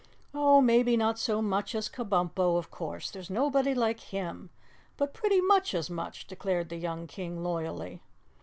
"Oh, maybe not so much as Kabumpo; of course, there's nobody like HIM but pretty much as much," declared the young King loyally.